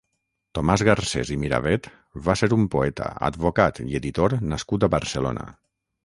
Tomàs Garcés i Miravet va ser un poeta, advocat i editor nascut a Barcelona.